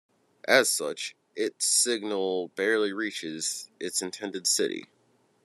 As such, its signal barely reaches its intended city.